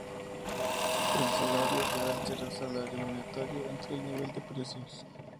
El salario real será el salario monetario entre el nivel de precios.